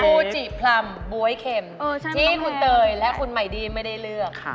ูจิพร่ำบ๊วยเข็มที่คุณเตยและคุณไมดี้ไม่ได้เลือก